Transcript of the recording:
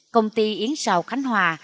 công ty yến rào khánh hòa